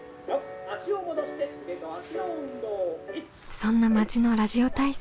そんな町のラジオ体操。